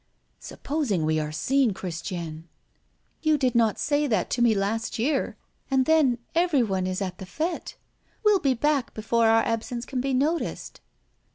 "Supposing we are seen, Christiane?" "You did not say that to me last year. And then, everyone is at the fête. We'll be back before our absence can be noticed."